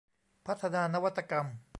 พัฒนานวัตกรรม